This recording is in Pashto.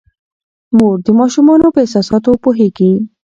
مور د ماشومانو په احساساتو پوهیږي.